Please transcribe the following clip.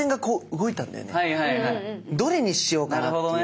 「どれにしようかな」っていう。